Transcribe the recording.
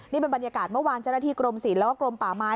นี่เป็นบรรยากาศเมื่อวานเจ้าหน้าที่กรมศิลป์แล้วก็กรมป่าไม้